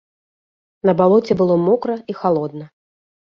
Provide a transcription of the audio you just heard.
На балоце было мокра і халодна.